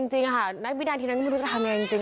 เอาจริงค่ะนักวิดารณ์ทีนั้นไม่รู้ว่าจะทำอย่างไรจริง